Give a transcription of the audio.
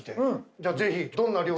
じゃあぜひ。